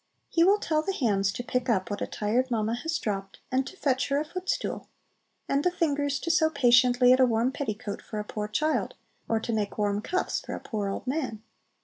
He will tell the hands to pick up what a tired mamma has dropped, and to fetch her a footstool; and the fingers to sew patiently at a warm petticoat for a poor child, or to make warm cuffs for a poor old man.